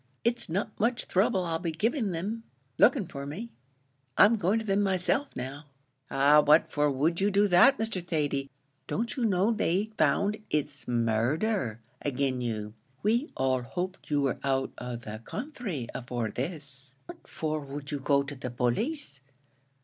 it's not much throuble I'll be giving thim, looking for me. I'm going to thim myself now." "An' what for would you do that, Mr. Thady? Don't you know they found it murdher agin you? We all hoped you were out of the counthry afore this. What for would you go to the police?